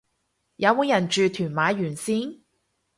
有冇人住屯馬沿線